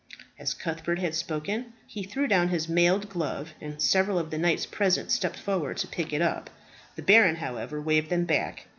As Cuthbert had spoken, he threw down his mailed glove, and several of the knights present stepped forward to pick it up. The baron, however, waved them back.